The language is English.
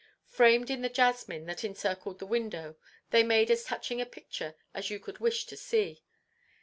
Framed in the jasmine that encircled the window, they made as touching a picture as you could wish to see.